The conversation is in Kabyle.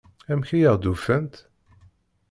Amek ay aɣ-d-ufant?